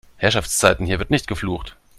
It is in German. Herrschaftszeiten, hier wird nicht geflucht!